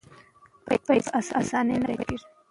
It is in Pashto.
که نجونې سندرې ووايي نو مجلس به نه وي خاموش.